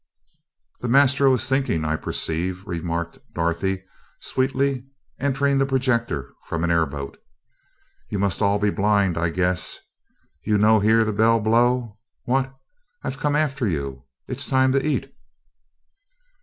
"The maestro is thinking, I perceive," remarked Dorothy, sweetly, entering the projector from an airboat. "You must all be blind, I guess you no hear the bell blow, what? I've come after you it's time to eat!"